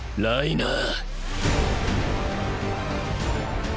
ライナー。